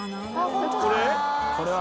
これ？